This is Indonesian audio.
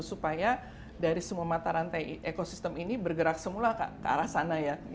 supaya dari semua mata rantai ekosistem ini bergerak semula ke arah sana ya